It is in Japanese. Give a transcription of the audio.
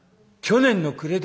「去年の暮れ？」。